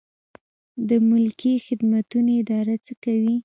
د ملکي خدمتونو اداره څه کوي؟